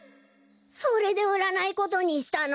それでうらないことにしたの？